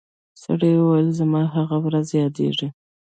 سړي وویل زما هغه ورځ یادیږي